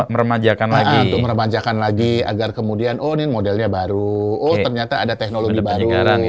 meremajakan lagi meremajakan lagi agar kemudian onin modelnya baru ternyata ada teknologi baru